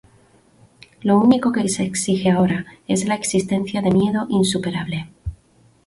Lo único que se exige ahora es la existencia de miedo insuperable.